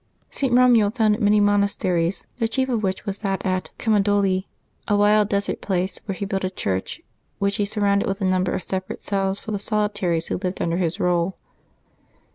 St. Eomuald founded many monasteries, the chief of which was that at Camaldoli, a wild desert place, where he built a church, which he surrounded with a number of separate cells for the solitaries who lived under his rule.